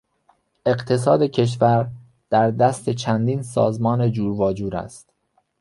اقتصاد کشور در دست چندین سازمان جور واجور است.